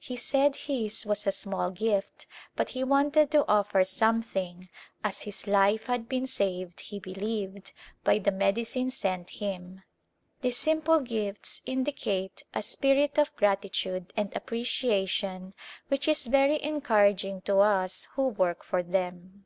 He said his was a small gift but he wanted to offer something, as his life had been saved, he believed, by the medicine sent him. These simple gifts indicate a spirit of gratitude and apprecia tion which is very encouraging to us who work for them.